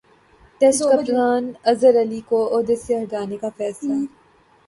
test کپتان اظہرعلی کو عہدہ سےہٹانےکا فیصلہ